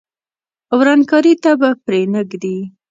ورانکاري ته به پرې نه ږدي.